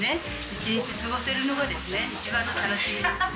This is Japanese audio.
１日過ごせるのがですね一番の楽しみです。